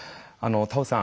田尾さん。